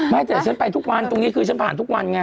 ไม่แต่ฉันไปทุกวันตรงนี้คือฉันผ่านทุกวันไง